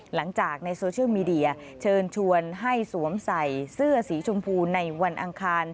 หลังจากในโซเชียลมีเดียเชิญชวนให้สวมใส่เสื้อสีชมพูในวันอังคาร